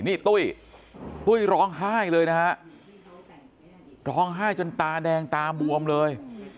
นี่ตุ้ยตุ้ยร้องไห้เลยนะฮะร้องไห้จนตาแดงตาบวมเลย